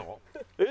えっ？